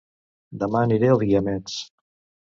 Dema aniré a Els Guiamets